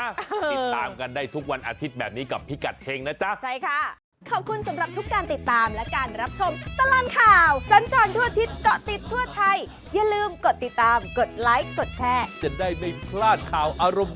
ติดตามกันได้ทุกวันอาทิตย์แบบนี้กับพี่กัดเค้งนะจ๊ะ